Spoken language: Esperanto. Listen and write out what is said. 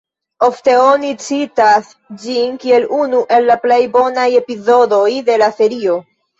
Oni ofte citas ĝin kiel unu el la plej bonaj epizodoj de la serio.